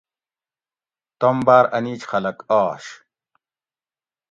توم باٞر انیج خلک آش